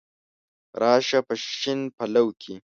را شه په شین پلو کي